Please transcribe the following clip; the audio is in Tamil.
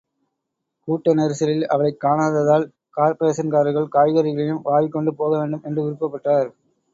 கூட்ட நெரிசலில் அவளைக் காணாததால், கார்ப்பரேஷன்காரர்கள் காய்கறிகளையும் வாரிக் கொண்டு போகவேண்டும் என்று விருப்பப்பட்டார்.